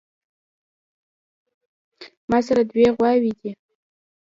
ماسره دوې غواوې دي